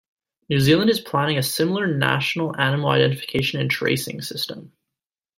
New Zealand is planning a similar National Animal Identification and Tracing system.